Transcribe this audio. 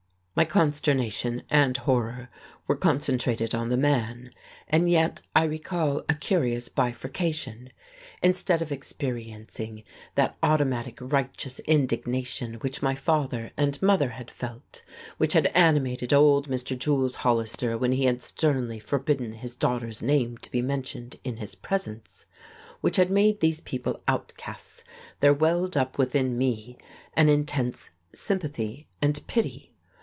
My consternation and horror were concentrated on the man, and yet I recall a curious bifurcation. Instead of experiencing that automatic righteous indignation which my father and mother had felt, which had animated old Mr. Jules Hollister when he had sternly forbidden his daughter's name to be mentioned in his presence, which had made these people outcasts, there welled up within me an intense sympathy and pity.